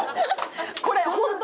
これ本当！